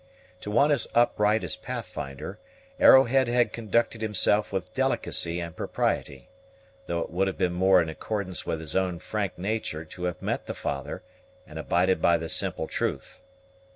To one as upright as Pathfinder, Arrowhead had conducted himself with delicacy and propriety, though it would have been more in accordance with his own frank nature to have met the father, and abided by the simple truth.